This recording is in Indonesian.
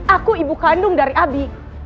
aku ibu kandung dari abi